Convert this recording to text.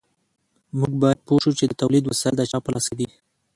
موږ باید پوه شو چې د تولید وسایل د چا په لاس کې دي.